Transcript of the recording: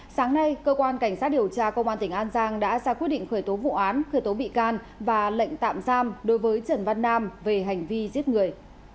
sáng nay cơ quan cảnh sát điều tra công an tỉnh an giang đã ra quyết định khởi tố vụ án khởi tố bị can và lệnh tạm giam đối với trần văn nam về hành vi giết người